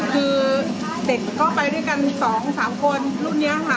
คือเด็กก็ไปด้วยกัน๒๓คนรุ่นนี้ค่ะ